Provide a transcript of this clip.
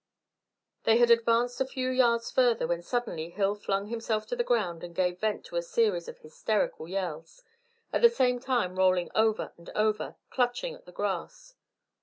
They had advanced a few yards farther when suddenly Hill flung himself on the ground and gave vent to a series of hysterical yells, at the same time rolling over and over, clutching at the grass.